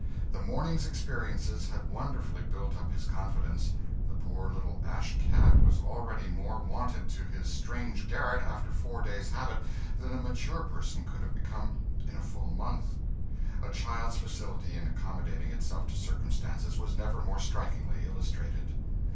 The morning's experiences had wonderfully built up his confidence; the poor little ash cat was already more wonted to his strange garret, after four days' habit, than a mature person could have become in a full month. A child's facility in accommodating itself to circumstances was never more strikingly illustrated.